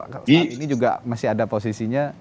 saat ini juga masih ada posisinya